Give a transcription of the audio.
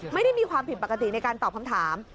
ไม่ได้มีความผิดปกติในการตอบคำถาม